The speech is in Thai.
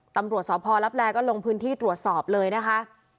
ตำรวจสพลับแลก็ลงพื้นที่ตรวจสอบเลยนะคะ